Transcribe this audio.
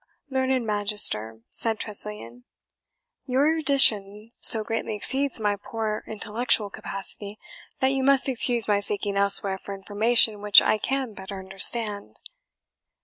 "Learned Magister," said Tressilian, "your erudition so greatly exceeds my poor intellectual capacity that you must excuse my seeking elsewhere for information which I can better understand."